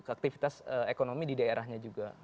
aktivitas ekonomi di daerahnya juga